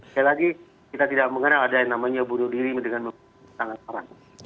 sekali lagi kita tidak mengenal ada yang namanya bunuh diri dengan menggunakan tangan orang